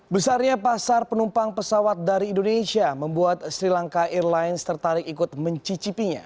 besarnya pasar penumpang pesawat dari indonesia membuat sri lanka airlines tertarik ikut mencicipinya